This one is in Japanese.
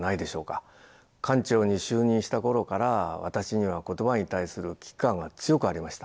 館長に就任した頃から私には言葉に対する危機感が強くありました。